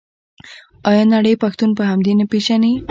آیا نړۍ پښتون په همدې نه پیژني؟